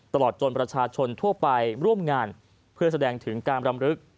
ตลอดจนประชาชนทั่วไปร่วมงานเพื่อแสดงถึงการรำลึก